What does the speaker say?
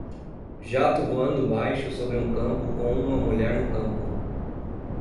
Jato voando baixo sobre um campo com uma mulher no campo.